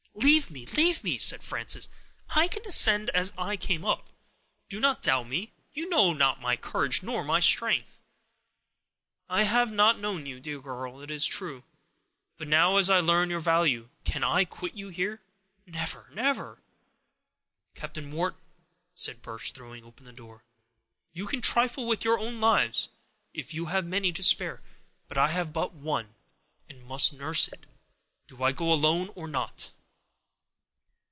"Leave me! leave me!" said Frances. "I can descend as I came up. Do not doubt me; you know not my courage nor my strength." "I have not known you, dear girl, it is true; but now, as I learn your value, can I quit you here? Never, never!" "Captain Wharton," said Birch, throwing open the door, "you can trifle with your own lives, if you have many to spare; I have but one, and must nurse it. Do I go alone, or not?"